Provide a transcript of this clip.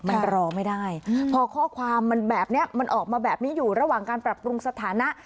มันรอไม่ได้พอข้อความมันแบบนี้มันออกมาแบบนี้อยู่ระหว่างการปรับปรุงสถานะ